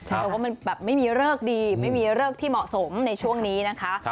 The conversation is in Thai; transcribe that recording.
แต่ว่ามันแบบไม่มีเลิกดีไม่มีเลิกที่เหมาะสมในช่วงนี้นะคะ